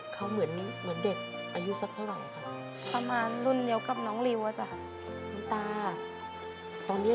ก็เหมือนเด็กคนหนึ่งเลย